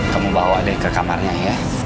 kamu bawa deh ke kamarnya ya